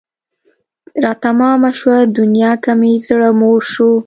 را تمامه شوه دنیا که مې زړه موړ شو